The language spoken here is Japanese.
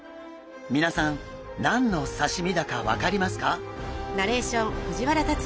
皆さん何の刺身だか分かりますか？